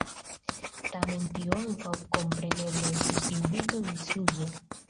Tamen tio ankaŭ kompreneble estis invito al misuzo.